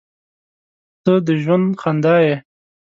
• ته د ژوند خندا یې.